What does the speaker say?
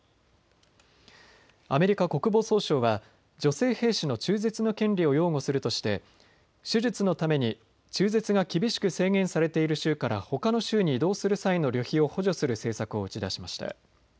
アメリカ国防総省は女性兵士の中絶の権利を擁護するとして手術のために中絶が厳しく制限されている州からほかの州に移動する際の旅費を補助する政策を打ち出しました。